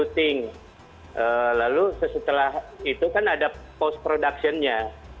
ada shooting lalu setelah itu kan ada post productionnya